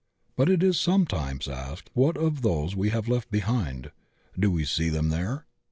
"* fiut it is sometimes asked, what of those we have left behind? do we see them there?